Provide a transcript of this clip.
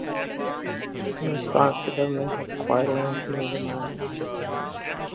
In response the government has acquired lands near the mine.